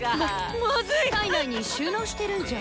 体内に収納してるんじゃ。